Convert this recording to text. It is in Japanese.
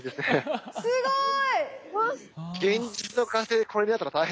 すごい。